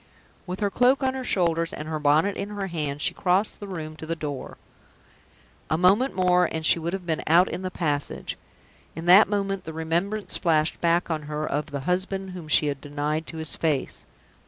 With her cloak on her shoulders, with her bonnet in her hand, she crossed the room to the door. A moment more and she would have been out in the passage. In that moment the remembrance flashed back on her of the husband whom she had denied to his face.